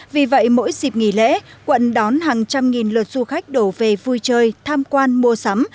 vì vậy mỗi dịp nghỉ lễ quận đón hàng trăm nghìn lượt du khách đổ về vui chơi tham quan mua sắm